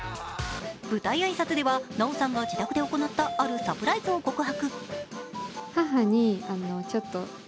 舞台挨拶では奈緒さんが自宅で行ったあるサプライズを告白。